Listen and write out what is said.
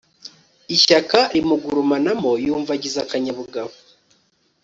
ishyaka rimugurumanamo yumva agize akanyabugabo